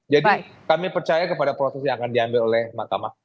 kami percaya kepada proses yang akan diambil oleh mahkamah